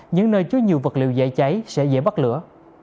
những nơi chứa nhiều vật liệu dễ cháy sẽ dễ bắt lửa